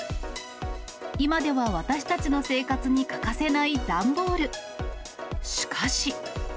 今では私たちの生活に欠かせない段ボール。